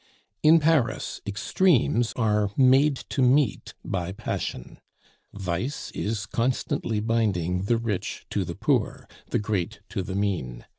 In Paris extremes are made to meet by passion. Vice is constantly binding the rich to the poor, the great to the mean.